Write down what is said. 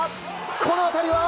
この当たりは。